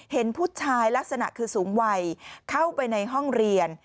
เห็นผู้ชายลักษณะคือสูงวัยเข้าไปในห้องเรียน